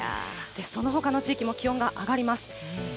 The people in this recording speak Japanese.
そのほかの地域も気温が上がります。